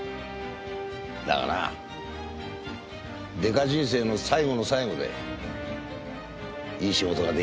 だがなデカ人生の最後の最後でいい仕事が出来たよ。